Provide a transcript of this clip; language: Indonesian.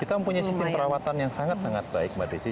kita mempunyai sistem perawatan yang sangat sangat baik mbak desi